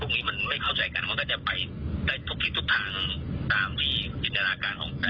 ก็คือผมอธิบายได้แค่ว่าเขาเกรียมตัวตั้งแต่มุมหวานแล้ว